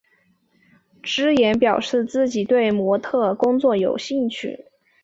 芝妍表示自己对模特儿工作有兴趣。